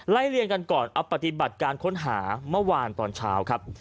เรียนกันก่อนเอาปฏิบัติการค้นหาเมื่อวานตอนเช้าครับ